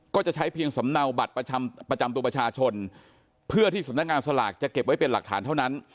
ก็จะใช้เพียงสำเนาบัตรประจำตัวประชาชนเพื่อที่สำนักงานสลากจะเก็บไว้เป็นหลักฐานเท่านั้น